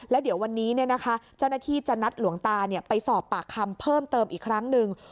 แล้วเดี๋ยววันนี้เจ้าหน้าที่จะนัดหลวงตาไปสอบปากคำเพิ่มเติมอีกครั้งหนึ่ง